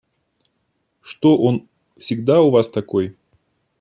Что, он всегда у вас такой?